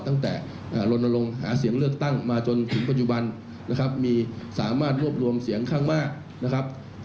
ตั้งแต่ลนลงหาเสียงเลือกตั้งมาจนถึงปัจจุบันนะครับมีสามารถรวบรวมเสียงข้างมากนะครับ